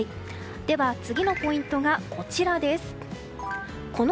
では次のポイントがこちらです。